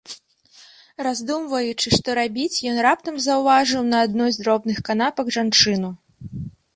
Раздумваючы, што рабіць, ён раптам заўважыў на адной з дробных канапак жанчыну.